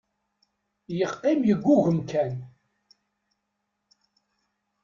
Yeqqim yeggugem kan.